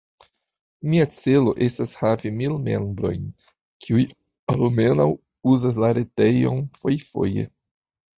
Mia celo estas havi mil membrojn, kiuj almenaŭ uzas la retejon fojfoje.